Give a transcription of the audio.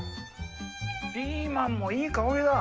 ピーマンもいい香りだ。